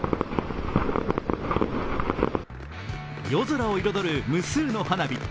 夜空を彩る無数の花火。